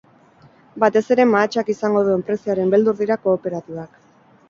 Batez ere mahatsak izango duen prezioaren beldur dira kooperatibak.